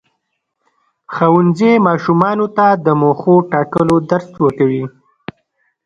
ښوونځی ماشومانو ته د موخو ټاکلو درس ورکوي.